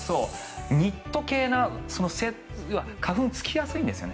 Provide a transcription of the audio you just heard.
ニット系は花粉がつきやすいんですよね。